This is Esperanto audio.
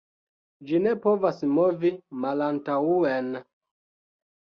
Ĝi ne povas movi malantaŭen.